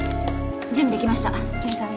準備できました。